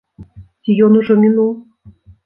Ці ён ужо мінуў?